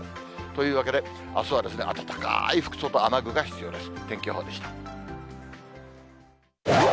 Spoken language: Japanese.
というわけで、あすは暖かい服装と雨具が必要です。